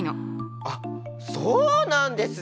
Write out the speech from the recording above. あっそうなんですね！